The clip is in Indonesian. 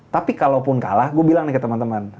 tapi kalaupun kalah gue bilang nih ke teman teman